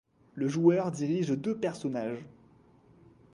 Le joueur dirige deux personnages.